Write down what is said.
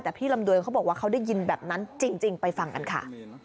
แต่พี่ลำดวนเขาบอกว่าเขาได้ยินแบบนั้นจริงไปฟังกันค่ะ